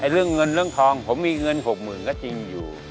เรื่องเงินเรื่องทองผมมีเงิน๖๐๐๐ก็จริงอยู่